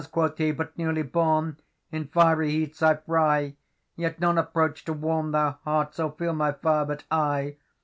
quoth He, 'but newly bornIn fiery heats I fry, Yet none approach to warm their heartsOr feel my fire but I!